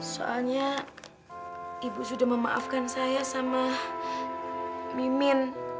soalnya ibu sudah memaafkan saya sama mimin